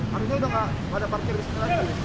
harusnya sudah tidak ada parkir di sini lagi